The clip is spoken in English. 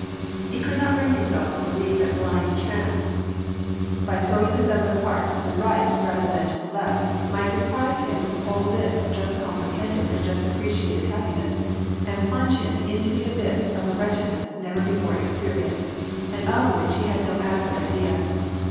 He could not bring himself to believe that blind chance, by WAk AND PEACE. 66 throwing the seven of hearts to the right rather than to the left, might deprive him of all this just comprehended and just appreciated happiness, and plunge him into the abjss of a wretchedness never before experienced, and of which he bad no adequate idea.